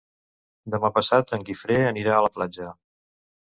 Demà passat en Guifré anirà a la platja.